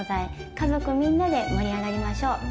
家族みんなで盛り上がりましょう。